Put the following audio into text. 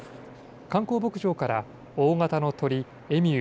観光牧場から大形の鳥、エミュー